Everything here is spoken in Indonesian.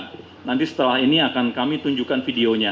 dengan video yang saya tunjukkan